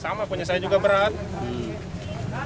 sebenarnya ada tiga orang